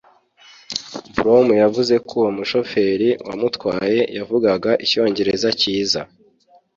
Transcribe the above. Brom yavuze ko uwo mushoferi wamutwaye yavugaga Icyongereza cyiza